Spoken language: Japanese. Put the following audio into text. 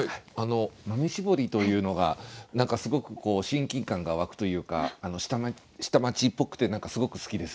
「豆絞り」というのが何かすごく親近感が湧くというか下町っぽくてすごく好きです。